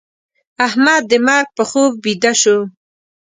احمد د مرګ په خوب بيده شو.